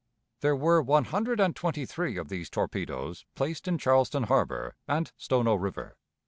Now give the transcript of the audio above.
There were one hundred and twenty three of these torpedoes placed in Charleston Harbor and Stono River.